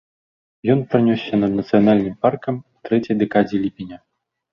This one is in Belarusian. Ён пранёсся над нацыянальным паркам у трэцяй дэкадзе ліпеня.